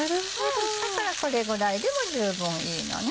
だからこれぐらいでも十分いいのね。